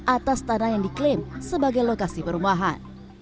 atas tanah yang diklaim sebagai lokasi perumahan